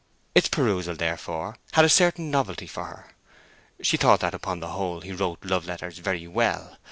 Its perusal, therefore, had a certain novelty for her. She thought that, upon the whole, he wrote love letters very well.